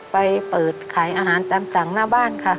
ไปเปิดขายอาหารตามสั่งหน้าบ้านค่ะ